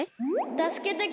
たすけてくれ！